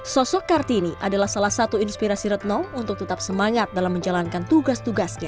sosok kartini adalah salah satu inspirasi retno untuk tetap semangat dalam menjalankan tugas tugasnya